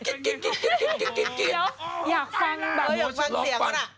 โอ้โฮสุดยอดโอ้โฮใครจะชนะ